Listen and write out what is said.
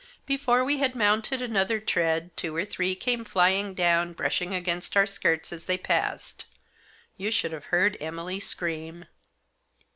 Before we had mounted another tread two or three came flying down, brushing against our skirts as they passed. You should have heard Emily scream.